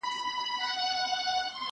بس يوازي خوښي خپلي يې كيسې وې!.